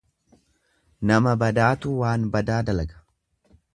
Nama badaatu waan badaa dalaga.